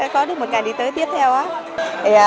có được một ngày đi tới tiếp theo